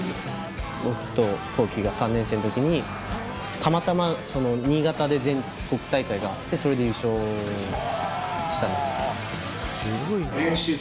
僕と弘毅が３年生の時にたまたま新潟で全国大会があってそれで優勝した。